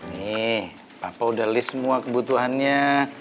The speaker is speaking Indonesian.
nih papa udah list semua kebutuhannya